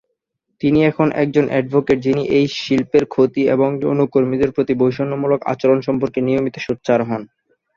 তিনি এখন একজন অ্যাডভোকেট যিনি এই শিল্পের ক্ষতি এবং যৌন কর্মীদের প্রতি বৈষম্যমূলক আচরণ সম্পর্কে নিয়মিত সোচ্চার হন।